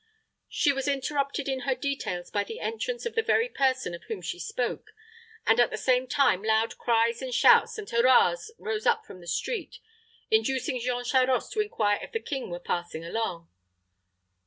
She was interrupted in her details by the entrance of the very person of whom she spoke, and at the same time loud cries and shouts and hurras rose up from the street, inducing Jean Charost to inquire if the king were passing along.